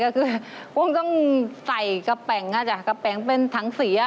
ก็คือก็ต้องใส่กะแป๋งอาจจะกะแป๋งเป็นทั้ง๔อ่ะ